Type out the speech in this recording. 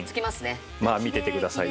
まあ見ててくださいよ。